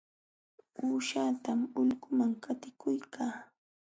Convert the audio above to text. Uushatam ulquman qatikuykaa.